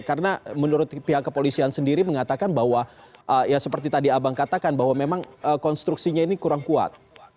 karena menurut pihak kepolisian sendiri mengatakan bahwa ya seperti tadi abang katakan bahwa memang konstruksinya ini kurang kuat